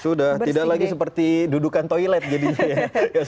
sudah tidak lagi seperti dudukan toilet jadinya ya